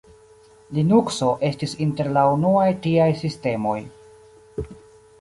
Linukso estis inter la unuaj tiaj sistemoj.